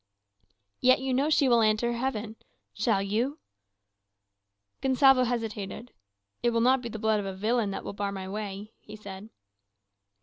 "Yet you know she will enter heaven. Shall you?" Gonsalvo hesitated. "It will not be the blood of a villain that will bar my way," he said.